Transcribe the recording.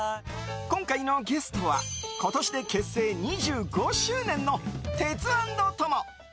今回のゲストは、今年で結成２５周年のテツａｎｄトモ。